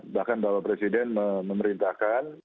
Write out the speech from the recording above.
bahkan bapak presiden memerintahkan